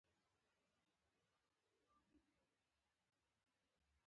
بزګر تخم شیندي او خدای ته ګوري.